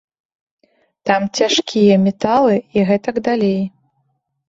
Там цяжкія металы і гэтак далей.